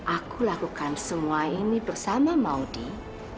aku lakukan semua ini bersama maudie